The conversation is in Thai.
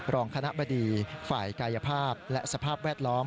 รองคณะบดีฝ่ายกายภาพและสภาพแวดล้อม